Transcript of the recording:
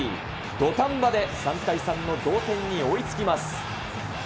土壇場で３対３の同点に追いつきます。